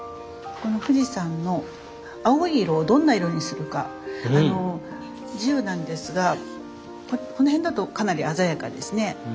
この富士山の青い色をどんな色にするか自由なんですがこの辺だとかなり鮮やかですね。